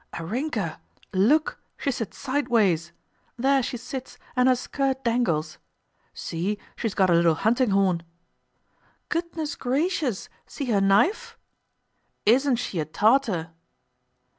"Arínka! Look, she sits sideways! There she sits and her skirt dangles.... See, she's got a little hunting horn!" "Goodness gracious! See her knife?..." "Isn't she a Tartar!"